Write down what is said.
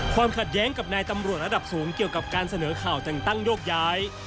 ความขัดแย้งกับนายตำรวจระดับสูงเกี่ยวกับการเสนอข่าวแต่งตั้งโยกย้าย